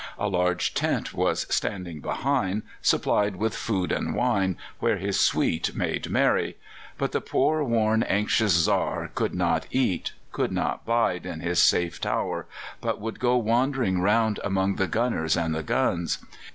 A large tent was standing behind, supplied with food and wine, where his suite made merry; but the poor, worn, anxious Czar could not eat, could not bide in his safe tower, but would go wandering round among the gunners and the guns.